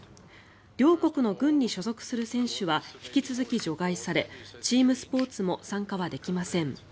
両国の軍に所属する選手は引き続き除外されチームスポーツも参加はできません。